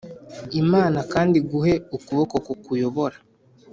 imana kandi iguhe ukuboko kukuyobora.